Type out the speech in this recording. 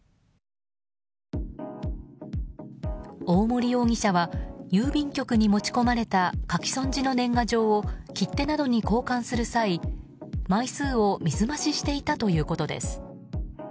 大森容疑者は郵便局に持ち込まれた書き損じの年賀状を切手などに交換する際枚数を水増ししていたということです。